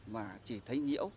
mà chỉ thấy nhiễu